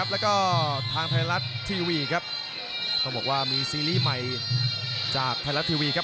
แล้วก็ทางไทยรัฐทีวีครับต้องบอกว่ามีซีรีส์ใหม่จากไทยรัฐทีวีครับ